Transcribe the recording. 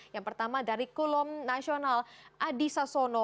yang pertama dari kolom nasional adi sasono